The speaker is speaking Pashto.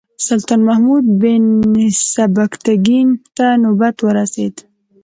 سلطان محمود بن سبکتګین ته نوبت ورسېد.